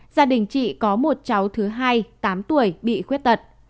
gia đình chị có một cháu thứ hai tám tuổi bị khuyết tật